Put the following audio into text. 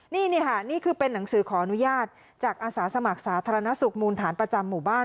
นี่ค่ะนี่คือเป็นหนังสือขออนุญาตจากอาสาสมัครสาธารณสุขมูลฐานประจำหมู่บ้าน